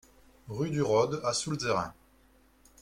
Rue du Rod à Soultzeren